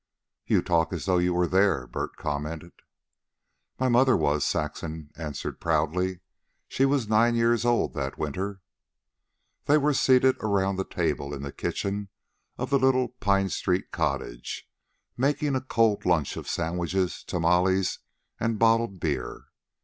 "You talk as though you were there," Bert commented. "My mother was," Saxon answered proudly. "She was nine years old that winter." They were seated around the table in the kitchen of the little Pine Street cottage, making a cold lunch of sandwiches, tamales, and bottled beer.